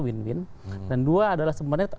win win dan dua adalah sebenarnya